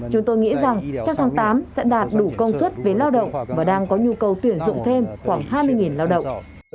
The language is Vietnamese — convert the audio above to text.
chúng tôi nghĩ rằng trong tháng tám sẽ đạt đủ công suất về lao động và đang có nhu cầu tuyển dụng thêm khoảng hai mươi lao động